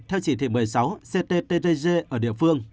theo chỉ thị một mươi sáu cttg ở địa phương